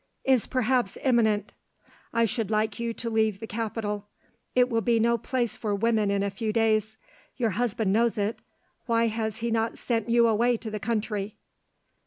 "Is perhaps imminent. I should like you to leave the capital. It will be no place for women in a few days. Your husband knows it; why has he not sent you away to the country?"